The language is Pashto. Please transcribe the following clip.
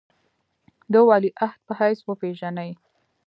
د ولیعهد په حیث وپېژني.